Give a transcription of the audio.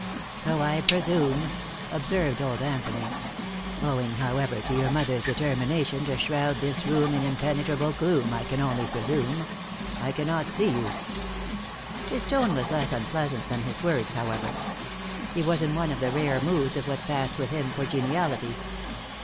"So I presume," observed old Anthony. "Owing, however, to your mother's determination to shroud this room in impenetrable gloom, I can only presume. I cannot see you." His tone was less unpleasant than his words, however. He was in one of the rare moods of what passed with him for geniality.